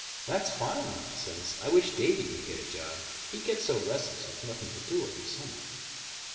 "That's fine," Mom says. "I wish Davey could get a job. He gets so restless with nothing to do in the summer."